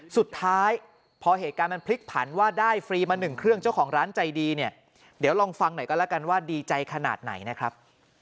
สุดท้ายพอเหตุการณ์มันพลิกผันว่าได้ฟรีมาหนึ่งเครื่องเจ้าของร้านใจดีเนี่ยเดี๋ยวลองฟังหน่อยก็แล้วกันว่าดีใจขนาดไหนนะครับ